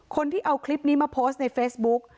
คนที่เอาคลิปนี้มาโพสต์ในเฟซบุ๊ก